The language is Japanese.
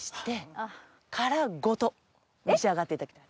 召し上がっていただきたい。